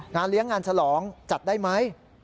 งานเลี้ยงงานฉลองจัดได้ไหม